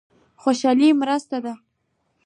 خوشالي مرسته ده.